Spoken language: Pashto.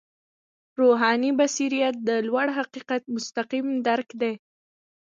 روحاني بصیرت د لوړ حقیقت مستقیم درک دی.